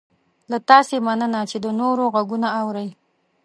له تاسې مننه چې د نورو غږونه اورئ